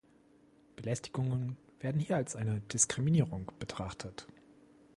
Belästigungen werden hier als eine Diskriminierung betrachtet.